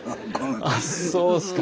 あっそうっすか。